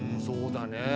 そうだね。